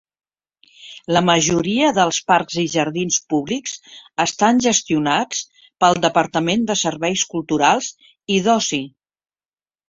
La majoria dels parcs i jardins públics estan gestionats pel departament de serveis culturals i d'oci.